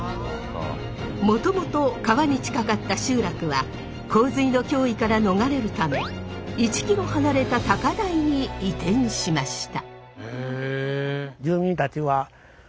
もともと川に近かった集落は洪水の脅威から逃れるため１キロ離れた高台に移転しました。